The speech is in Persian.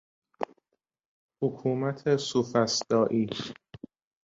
حکمت سوفسطائی